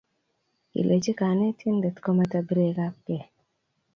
Kilechi kanetindet kometo biret ab ke